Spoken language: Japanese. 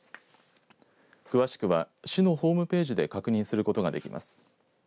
詳しくは市のホームページで確認することができます。